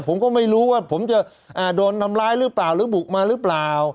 ผมก็ไม่รู้ว่าผมจะโดนทำร้ายหรือเปล่าหรือบุกมาหรือเปล่า